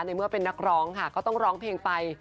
เมื่อเป็นนักร้องค่ะก็ต้องร้องเพลงไป